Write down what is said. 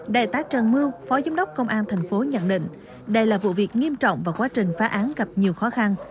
đại tá trần mưa phó giám đốc công an tp nhận định đây là vụ việc nghiêm trọng và quá trình phá án gặp nhiều khó khăn